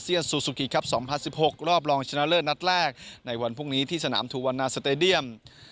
ซูซูกิครับ๒๐๑๖รอบรองชนะเลิศนัดแรกในวันพรุ่งนี้ที่สนามทูวันนาสเตดียม